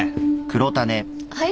はい？